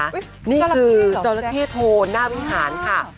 คุณผู้ชมเห็นมั้ยคะ